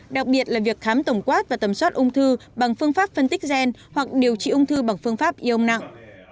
đặc biệt là việc khám tổng quát và tầm soát ung thư bằng phương pháp phân tích gen hoặc điều trị ung thư bằng phương pháp ion nặng